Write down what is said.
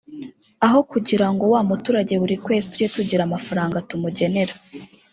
aho kugira ngo wa muturage buri kwezi tujye tugira amafaranga tumugenera